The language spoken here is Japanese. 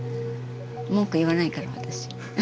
文句言わないから私。